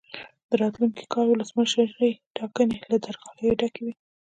د راتلونکي کال ولسمشرۍ ټاکنې له درغلیو ډکې وې.